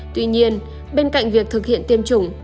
tuy nhiên bên cạnh việc thực hiện tiêm chủng